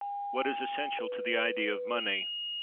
What is essential to the idea of Money?